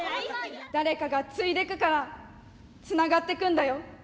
誰かが継いでくからつながってくんだよ。